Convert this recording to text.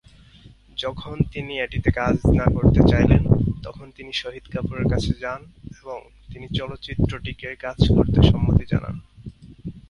যখন তিনি এটিতে কাজ না করতে চাইলেন, তখন তিনি শহীদ কাপুরের কাছে যান এবং তিনি চলচ্চিত্রটিতে কাজ করতে সম্মতি জানান।